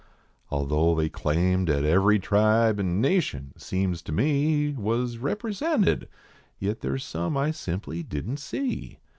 Although they claimed at every tribe an nation, seems to me, Was represented, yit there s some I simply didn t see.